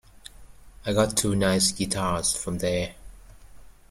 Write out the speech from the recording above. I got two nice guitars from there.